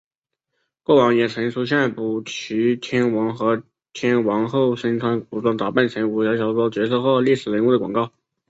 过往也曾出现补习天王和天后身穿古装打扮成武侠小说角色或历史人物的广告。